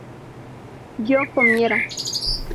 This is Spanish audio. yo comiera